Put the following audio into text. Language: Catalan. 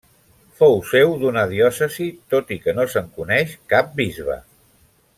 Fou seu d'una diòcesi, tot i que no se'n coneix cap bisbe.